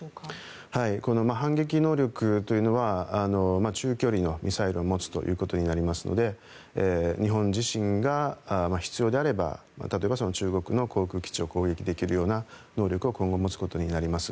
反撃能力というのは中距離のミサイルを持つということになりますので日本自身が必要であれば例えば、中国の航空基地を攻撃できるような能力を今後、持つことになります。